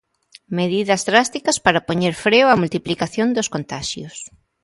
Medidas drásticas para poñer freo á multiplicación dos contaxios.